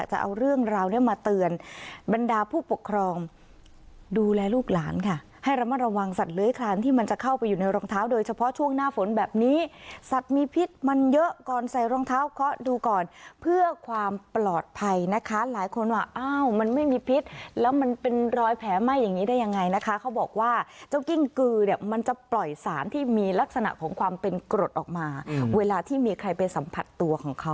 ให้รับมาระวังสัตว์เล้ยคลานที่มันจะเข้าไปอยู่ในรองเท้าโดยเฉพาะช่วงหน้าฝนแบบนี้สัตว์มีพิษมันเยอะก่อนใส่รองเท้าเคาะดูก่อนเพื่อความปลอดภัยนะคะหลายคนว่ามันไม่มีพิษแล้วมันเป็นรอยแผลไหม้อย่างนี้ได้ยังไงนะคะเขาบอกว่าเจ้ากิ้งเกลือมันจะปล่อยสารที่มีลักษณะของความเป็นกรดออกมาเวลา